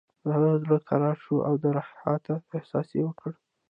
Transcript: د هغه زړه کرار شو او د راحت احساس یې وکړ